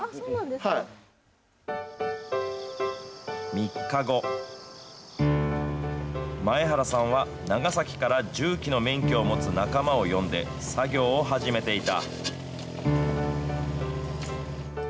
３日後、前原さんは長崎から重機の免許を持つ仲間を呼んで、作業を始めていた。